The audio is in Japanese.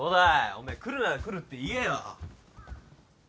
おめえ来るなら来るって言えよ。